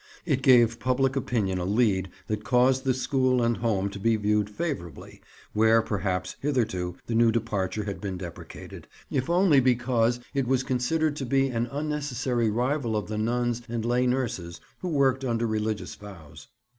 It gave public opinion a lead that caused the School and Home to be viewed favourably, where, perhaps, hitherto the new departure had been deprecated, if only because it was considered to be an unnecessary rival of the nuns and lay nurses, who worked under religious vows.